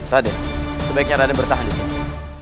raden sebaiknya raden bertahan disini